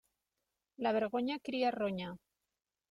La vergonya cria ronya.